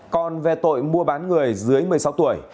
còn về tội mua bán người dưới một mươi sáu tuổi